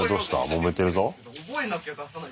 もめてるぞ。